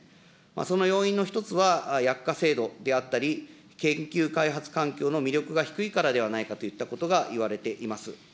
その要因の一つは、薬価制度であったり、研究開発環境の魅力が低いからではないかといったことがいわれています。